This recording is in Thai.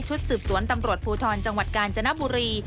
สืบสวนตำรวจภูทรจังหวัดกาญจนบุรี